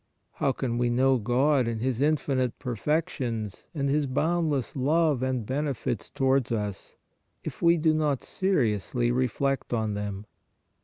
How can we know God and His infinite perfections and His boundless love and benefits towards us, if we do not seriously reflect on them?